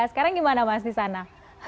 sekarang bagaimana di sana